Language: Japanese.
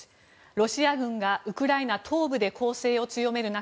ロシア軍がウクライナ東部で攻勢を強める中